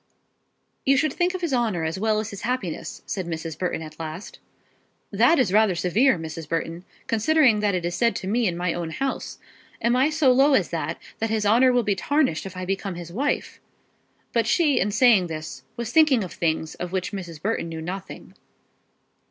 "You should think of his honour as well as his happiness," said Mrs. Burton at last. "That is rather severe, Mrs. Burton, considering that it is said to me in my own house. Am I so low as that, that his honour will be tarnished if I become his wife?" But she, in saying this, was thinking of things of which Mrs. Burton knew nothing.